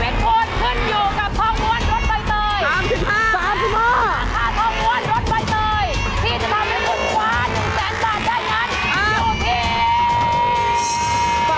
และข้างบนจากกาธินัมบุรีชินที่สูงสุดคือ